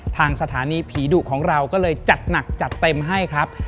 ทางสถานีผีดุของเราก็เลยจัดหนักจัดเต็มให้ครับ